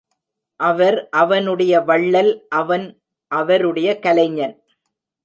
அவர் அவனுடைய வள்ளல் அவன் அவருடைய கலைஞன்.